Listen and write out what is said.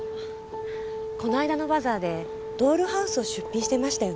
この間のバザーでドールハウスを出品してましたよね？